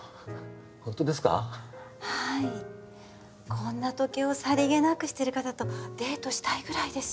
こんな時計をさりげなくしてる方とデートしたいぐらいです。